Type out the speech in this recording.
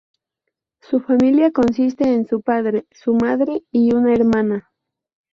Su familia consiste en su padre, su madre y una hermana.